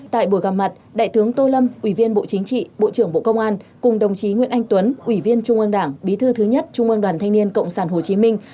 tại buổi gặp mặt đại tướng tô lâm ủy viên bộ chính trị bộ trưởng bộ công an cùng đồng chí nguyễn anh tuấn ủy viên trung ương đảng bí thư thứ nhất trung ương đoàn thanh niên cộng sản hồ chí minh